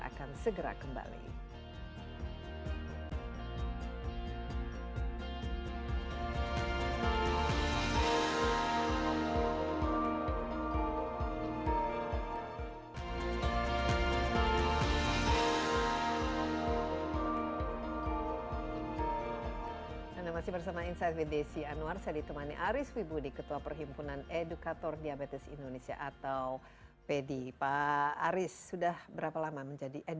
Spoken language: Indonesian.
akan segera kembali